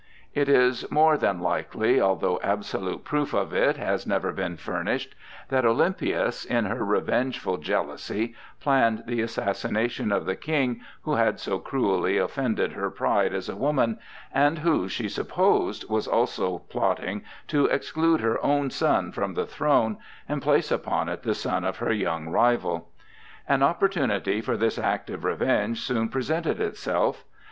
It is more than likely—although absolute proof of it has never been furnished—that Olympias, in her revengeful jealousy, planned the assassination of the King who had so cruelly offended her pride as a woman, and who, she supposed, was also plotting to exclude her own son from the throne and place upon it the son of her young rival. An opportunity for this act of revenge soon presented itself.